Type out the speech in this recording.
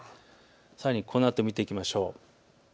さらにこのあと、見ていきましょう。